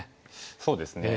そうですね。